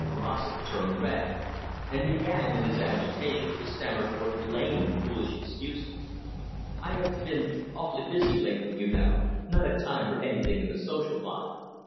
Rossett turned red, and began, in his agitation, to stammer forth lame and foolish excuses. "I have been awfully busy lately, you know, not had time for anything in the social line.